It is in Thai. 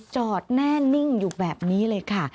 จอดแน่นิ่งอยู่แบบนี้เลยค่ะ